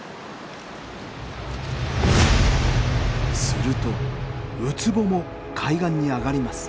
するとウツボも海岸に上がります。